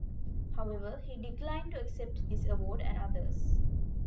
However, he declined to accept this award and others.